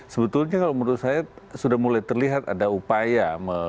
sebetulnya kalau menurut saya sudah mulai terlihat ada upaya